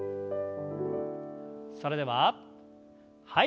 それでははい。